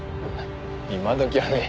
今どきはね